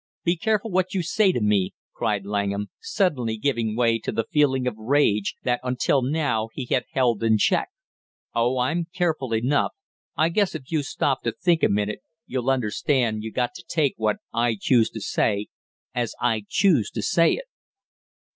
"Be careful what you say to me!" cried Langham, suddenly giving way to the feeling of rage that until now he had held in check. "Oh, I'm careful enough. I guess if you stop to think a minute you'll understand you got to take what I choose to say as I choose to say it!"